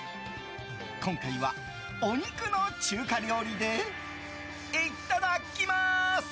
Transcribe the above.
今回はお肉の中華料理でいただきます。